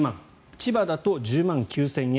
千葉だと１０万９０００円